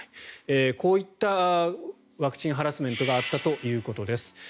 こういったワクチンハラスメントがあったということです。